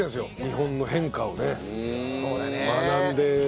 「日本の変化をね学んでましたね」